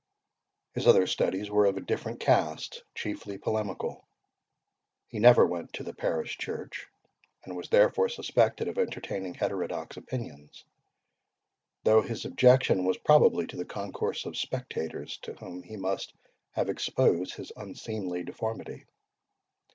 His other studies were of a different cast, chiefly polemical. He never went to the parish church, and was therefore suspected of entertaining heterodox opinions, though his objection was probably to the concourse of spectators, to whom he must have exposed his unseemly deformity.